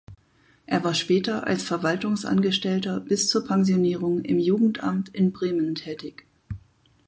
Er war später als Verwaltungsangestellter bis zur Pensionierung im Jugendamt in Bremen tätig.